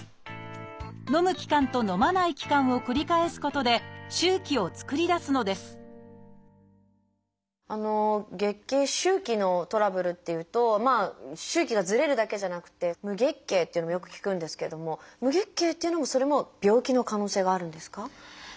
のむ期間とのまない期間を繰り返すことで周期を作り出すのです月経周期のトラブルっていうと周期がずれるだけじゃなくて無月経っていうのもよく聞くんですけれども無月経っていうのもそれも病気の可能性があるんですか？